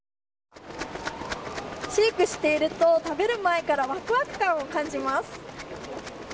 シェイクしていると食べる前からわくわく感を感じます。